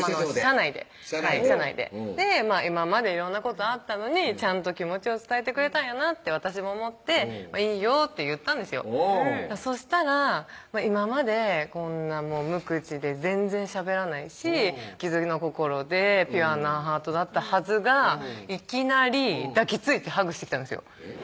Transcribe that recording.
駐車場で車内で今まで色んなことあったのにちゃんと気持ちを伝えてくれたんやなと私も思って「いいよ」って言ったんですよそしたら今までこんな無口で全然しゃべらないし傷の心でピュアなハートだったはずがいきなり抱きついてハグしてきたんですよ